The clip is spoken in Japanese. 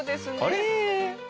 あれ？